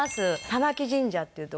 玉置神社っていう所。